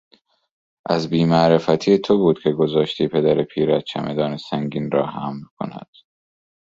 از بیمعرفتی تو بود که گذاشتی پدر پیرت چمدان سنگین را حمل کند.